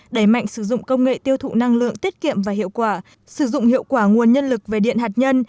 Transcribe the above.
đẩy mạnh sử dụng công nghệ tiêu thụ năng lượng tiết kiệm và hiệu quả sử dụng hiệu quả nguồn nhân lực về điện hạt nhân